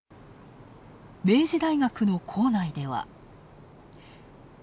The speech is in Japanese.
明治大学の構内では。